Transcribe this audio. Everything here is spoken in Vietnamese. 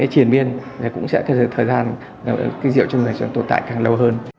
chiền biên thì cũng sẽ thời gian rượu trong người tồn tại càng lâu hơn